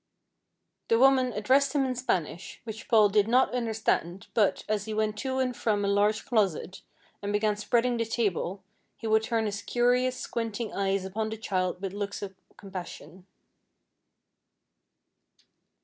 The woman addressed him in Spanish, which Paul did not understand, but, as he went to and from a large closet, and began spreading the table, he would turn his curious squinting eyes upon the child with looks of compassion.